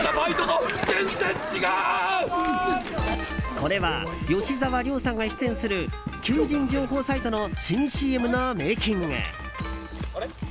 これは吉沢亮さんが出演する求人情報サイトの新ＣＭのメイキング。